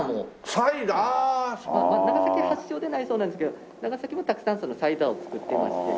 長崎発祥ではないそうなんですけど長崎もたくさんサイダーを作っていまして。